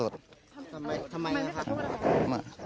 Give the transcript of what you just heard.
ทำไมนะครับ